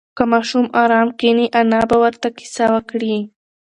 که ماشوم ارام کښېني، انا به ورته قصه وکړي.